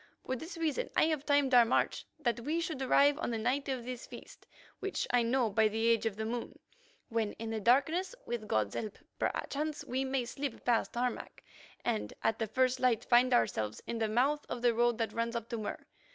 For this reason I have timed our march that we should arrive on the night of this feast, which I know by the age of the moon, when, in the darkness, with God's help, perchance we may slip past Harmac, and at the first light find ourselves in the mouth of the road that runs up to Mur.